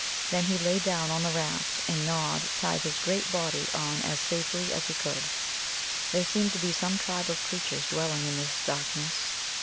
Then he lay down on the raft, and Nod tied his great body on as safely as he could. There seemed to be some tribe of creatures dwelling in this darkness.